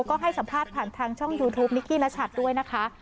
ก็ให้สัมภาษณ์ผ่านทางช่องยูทูปนิกกี้นัชัดด้วยนะคะ